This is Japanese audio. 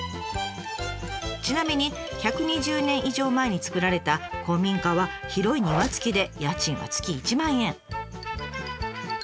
ちなみに１２０年以上前に造られた古民家は広い庭付きで家賃は月１万円。